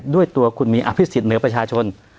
ด้วยตัวคุณมีอภิษฎเหนือประชาชน